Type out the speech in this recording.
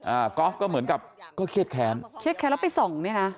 กอล์ฟก็เหมือนกับก็เครียดแค้นเครียดแค้นแล้วไปส่องเนี่ยนะ